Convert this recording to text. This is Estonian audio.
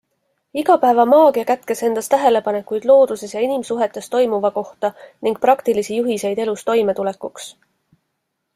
Igapäevamaagia kätkes endas tähelepanekuid looduses ja inimsuhetes toimuva kohta ning praktilisi juhiseid elus toimetulekuks.